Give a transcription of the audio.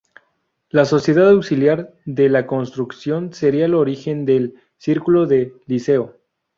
La "Sociedad Auxiliar de la Construcción" sería el origen del "Círculo del Liceo".